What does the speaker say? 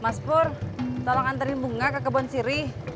mas pur tolong anterin bunga ke kebon sirih